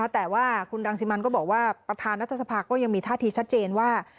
แต่ว่าคุณรังสิมันก็บอกว่าประธานรัฐสภาก็ยังมีท่าทีชัดเจนว่า